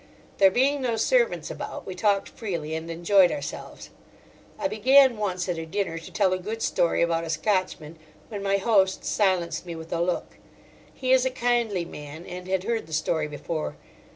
There being no servants about, we talked freely and enjoyed ourselves. I began once at a dinner to tell a good story about a Scotchman, when my host silenced me with a look. He is a kindly man, and had heard the story before.